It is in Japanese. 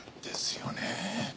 ですよね。